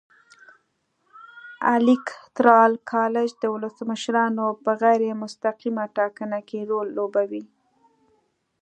الېکترال کالج د ولسمشرانو په غیر مستقیمه ټاکنه کې رول لوبوي.